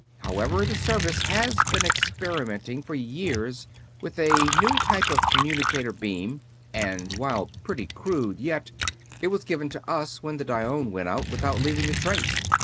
However, the Service has been experimenting for years with a new type of communicator beam; and, while pretty crude yet, it was given to us when the Dione went out without leaving a trace.